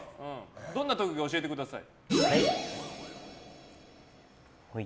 どんな特技か教えてください。